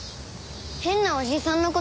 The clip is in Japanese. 変なおじさんの事？